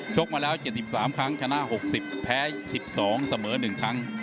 กมาแล้ว๗๓ครั้งชนะ๖๐แพ้๑๒เสมอ๑ครั้ง